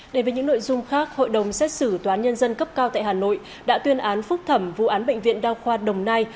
để với những nội dung khác hội đồng xét xử toán nhân dân cấp cao tại hà nội đã tuyên án phúc thẩm vụ án bệnh viện đao khoa đồng nai